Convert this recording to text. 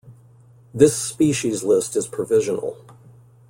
This species list is provisional.